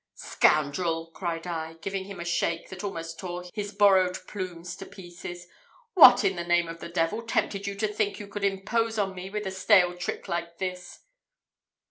"Scoundrel!" cried I, giving him a shake that almost tore his borrowed plumes to pieces, "what, in the name of the devil, tempted you to think you could impose on me with a stale trick like this?"